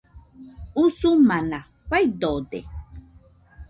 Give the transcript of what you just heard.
Usumana faidode